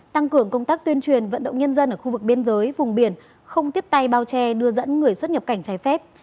tăng cường công tác tuyên truyền vận động nhân dân ở khu vực biên giới vùng biển không tiếp tay bao che đưa dẫn người xuất nhập cảnh trái phép